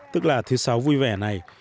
tức là thứ sáu vui vẻ này